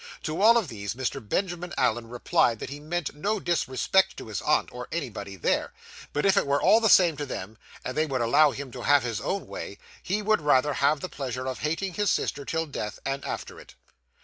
To all of these, Mr. Benjamin Allen replied that he meant no disrespect to his aunt, or anybody there, but if it were all the same to them, and they would allow him to have his own way, he would rather have the pleasure of hating his sister till death, and after it.